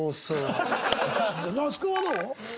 那須君はどう？